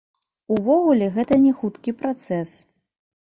Увогуле гэта не хуткі працэс.